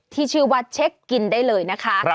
ที่ชื่อว่าเช็คกินได้เลยนะคะ